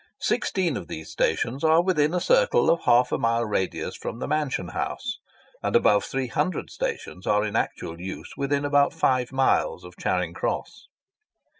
Sixteen of these stations are within a circle of half a mile radius from the Mansion House, and above three hundred stations are in actual use within about five miles of Charing Cross.